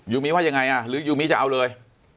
มิว่ายังไงอ่ะหรือยูมิจะเอาเลย